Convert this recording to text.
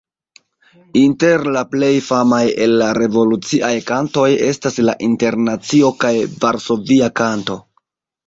Inter la plej famaj el la revoluciaj kantoj estas La Internacio kaj Varsovia Kanto.